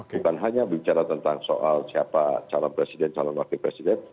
bukan hanya bicara tentang soal siapa calon presiden calon wakil presiden